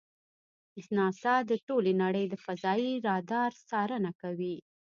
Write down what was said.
ناسا د ټولې نړۍ د فضایي رادار څارنه کوي.